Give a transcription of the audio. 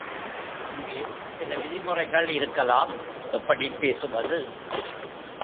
அங்கே சில விதிமுறைகள் இருக்கலாம் எப்படிப் பேசுவது?